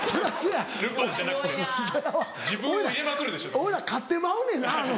俺ら勝ってまうねんな。